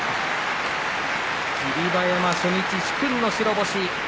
霧馬山、初日、殊勲の白星。